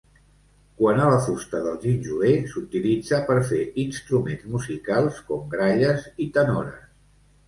Quant a la fusta del ginjoler, s'utilitza per fer instruments musicals com gralles i tenores.